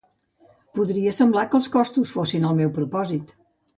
Podria semblar que els costos fossin el meu propòsit.